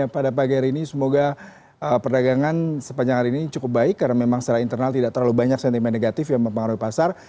pada pagi hari ini semoga perdagangan sepanjang hari ini cukup baik karena memang secara internal tidak terlalu banyak sentimen negatif yang mempengaruhi pasar